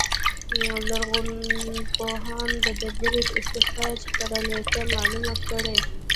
لرغونپوهان د ډبرې د استخراج کره نېټه معلومه کړي.